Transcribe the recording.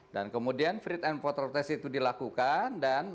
dan kemudian fit and proper test itu dilakukan